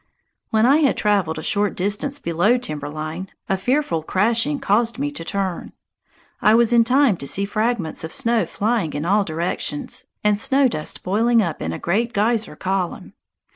When I had traveled a short distance below timber line, a fearful crashing caused me to turn; I was in time to see fragments of snow flying in all directions, and snow dust boiling up in a great geyser column.